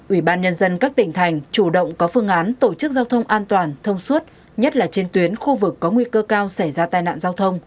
ủy ban nhân dân các tỉnh thành chủ động có phương án tổ chức giao thông an toàn thông suốt nhất là trên tuyến khu vực có nguy cơ cao xảy ra tai nạn giao thông